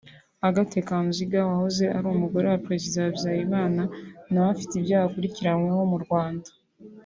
Agathe Kanziga wahoze ari umugore wa Perezida Habyarimana nawe ufite ibyaha akurikiranyweho mu Rwanda